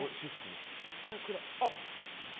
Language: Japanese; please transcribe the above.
私服は黒。